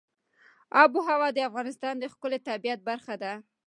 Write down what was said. آب وهوا د افغانستان د ښکلي طبیعت برخه ده.